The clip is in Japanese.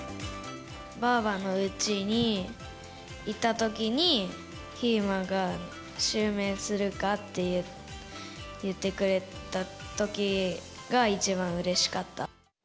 ばあばのうちにいたときに、ひいまが襲名するかって言ってくれたときが、一番うれしかった。